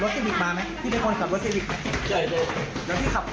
น้อนเข้าไหนด่วนหน่อยพี่